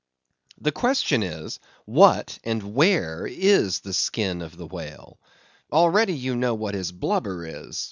The question is, what and where is the skin of the whale? Already you know what his blubber is.